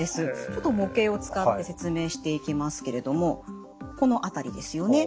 ちょっと模型を使って説明していきますけれどもこの辺りですよね？